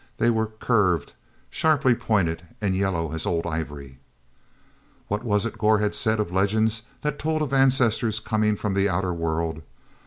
They were curved, sharply pointed and yellow as old ivory. What was it Gor had said of legends that told of ancestors coming from the outer world?